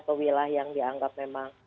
ke wilayah yang dianggap memang